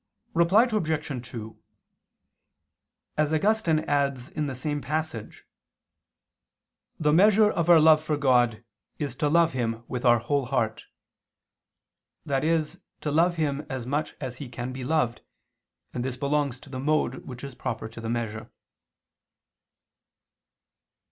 Reply Obj. 2: As Augustine adds in the same passage, "the measure of our love for God is to love Him with our whole heart," that is to love Him as much as He can be loved, and this belongs to the mode which is proper to the measure.